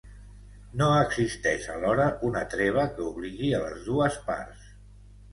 No existeix, alhora, una treva que obligui a les dues parts.